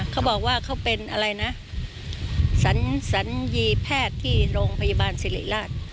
เขาบอกว่าเขาเป็นอะไรนะสัญญีแพทย์ที่โรงพยาบาลสิริราช